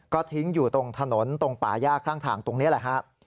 ก็ทิ้งอยู่ตรงถนนตรงป่ายากข้างตรงนี้แหละครับ